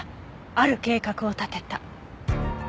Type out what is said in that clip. ある計画を立てた。